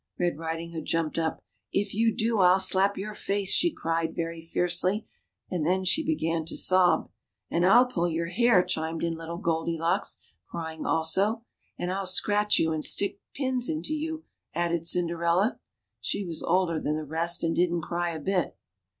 Red Riding hood jumped up. " If you do. I'll slap your face 1 " she cried very fiercely ; and then she began to sob. " And I'll pull your hair," chimed in Little Goldilocks, crying also. " And I'll scratch you and stick pins into you," added Cinderella. She was older than the rest, and didn't cry a bit.